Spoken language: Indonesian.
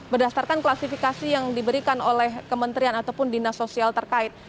berdasarkan klasifikasi yang diberikan oleh kementerian ataupun dinas sosial terkait